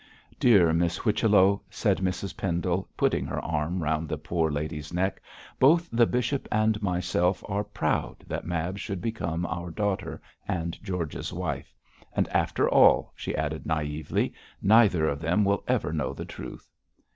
'Dear Miss Whichello,' said Mrs Pendle, putting her arm round the poor lady's neck, 'both the bishop and myself are proud that Mab should become our daughter and George's wife. And after all,' she added naively, 'neither of them will ever know the truth!'